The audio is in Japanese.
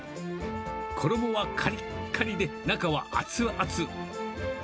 衣はかりっかりで中は熱々。